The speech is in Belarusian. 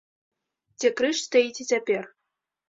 Дзе крыж стаіць і цяпер.